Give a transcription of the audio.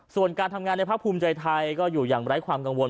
ส่วนการทำงานในภาคภูมิใจไทยก็อยู่อย่างไร้ความกังวล